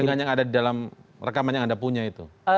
dengan yang ada di dalam rekaman yang anda punya itu